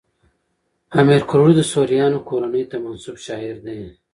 امیر کروړ د سوریانو کورنۍ ته منسوب شاعر دﺉ.